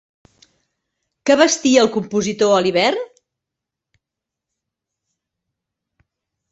Què vestia el compositor a l'hivern?